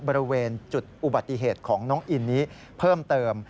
บริเวณจุดอุบัติเหตุของน้องอินนี้เพิ่มเติม